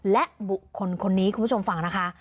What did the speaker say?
และบุคคลคนนี้คุณผู้ชมฟังนะคะ